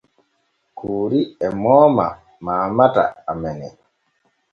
Kuuri e mooma mamata amene.